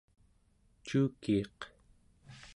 cuukiiq